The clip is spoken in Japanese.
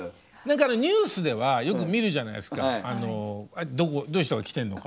ニュースではよく見るじゃないですかあのどういう人が来てるのか。